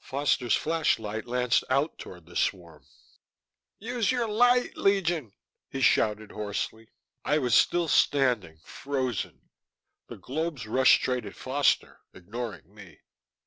Foster's flashlight lanced out toward the swarm. "Use your light, Legion!" he shouted hoarsely. I was still standing, frozen. The globes rushed straight at Foster, ignoring me.